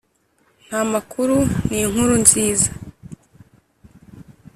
nta makuru ni inkuru nziza